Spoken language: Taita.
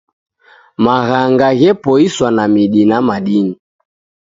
Maghanga ghepoiswa na midi na madini